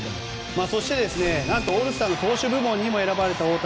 そして、何とオールスターの投手部門にも選ばれた大谷。